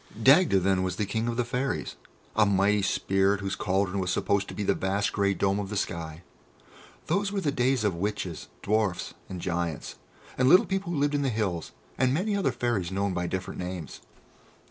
Dagda then was the King of the Fairies, a mighty spirit whose cauldron was supposed to be the vast grey dome of the sky. Those were the days of Witches, Dwarfs, and Giants, and little people who lived in the hills, and many other Fairies known by different names.